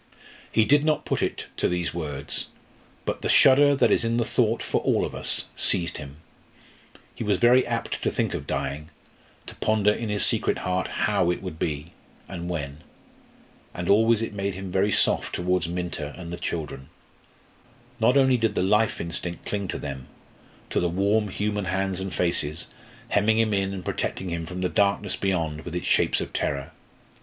He did not put it to these words, but the shudder that is in the thought for all of us, seized him. He was very apt to think of dying, to ponder in his secret heart how it would be, and when. And always it made him very soft towards Minta and the children. Not only did the life instinct cling to them, to the warm human hands and faces hemming him in and protecting him from that darkness beyond with its shapes of terror.